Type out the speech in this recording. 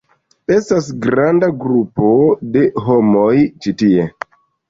Estas granda grupo de homoj ĉi tie!